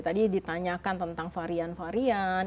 tadi ditanyakan tentang varian varian